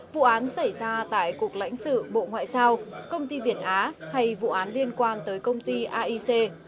vụ án xảy ra tại cục lãnh sự bộ ngoại giao công ty việt á hay vụ án liên quan tới công ty aic